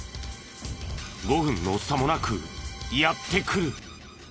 ５分の差もなくやって来る。